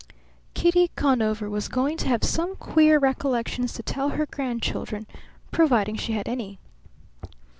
Kitty Conover was going to have some queer recollections to tell her grandchildren, providing she had any.